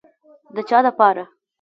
د چا دپاره.